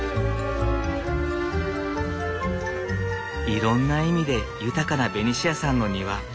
いろんな意味で豊かなベニシアさんの庭。